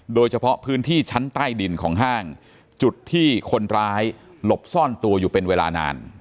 โดยเฉพาะพื้นที่ชั้นใต้ดินของห้างจุดที่คนร้ายหลบซ่อนตัวอยู่เป็นเวลานาน